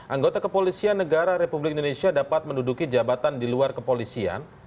anggota kepolisian negara republik indonesia dapat menduduki jabatan di luar kepolisian